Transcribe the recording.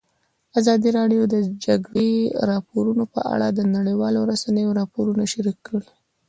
ازادي راډیو د د جګړې راپورونه په اړه د نړیوالو رسنیو راپورونه شریک کړي.